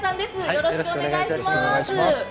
よろしくお願いします。